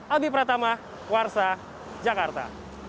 abi pratama warsa jakarta